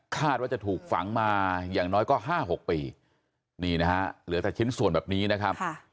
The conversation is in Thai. ว่าจะถูกฝังมาอย่างน้อยก็๕๖ปีนี่นะฮะเหลือแต่ชิ้นส่วนแบบนี้นะครับ